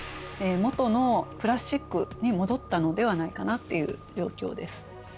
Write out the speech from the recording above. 元のプラスチックに戻ったのではないかなという状況です。